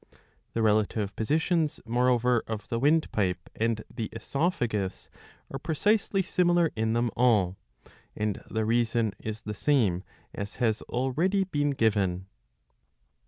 The relative positions, moreover, of the windpipe and the oesophagus are precisely similar in them all ; and the reason is the same as has already been. given.